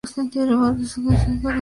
Woods es un converso al catolicismo.